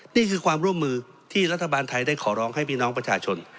นี่คือความร่วมมือที่รัฐบาลไทยได้ขอร้องให้พี่น้องประชาชน